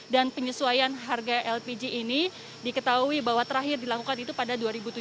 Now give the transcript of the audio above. dan penyesuaian harga lpg ini diketahui bahwa terakhir dilakukan itu pada dua ribu tujuh belas